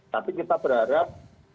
tapi kita berharap